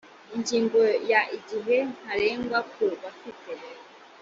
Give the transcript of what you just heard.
ingingo ya igihe ntarengwa ku bafite